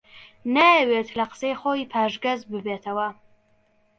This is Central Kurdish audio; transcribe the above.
نایەوێت لە قسەی خۆی پاشگەز ببێتەوە